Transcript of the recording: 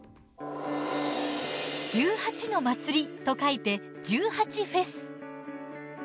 「１８の祭り」と書いて「１８フェス」。